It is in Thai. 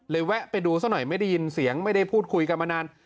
แวะไปดูซะหน่อยไม่ได้ยินเสียงไม่ได้พูดคุยกันมานาน